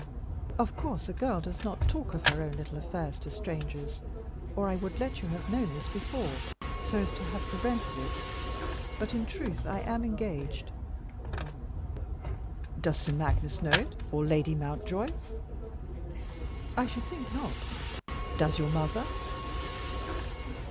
"Of course a girl does not talk of her own little affairs to strangers, or I would let you have known this before, so as to have prevented it. But, in truth, I am engaged." "Does Sir Magnus know it, or Lady Mountjoy?" "I should think not." "Does your mother?"